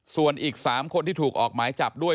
ส่วนอีก๓คนที่ถูกออกหมายจับด้วย